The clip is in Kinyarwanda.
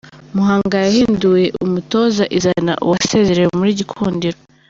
Muhanga yahinduye umutoza, izana uwasezerewe muri gikundiro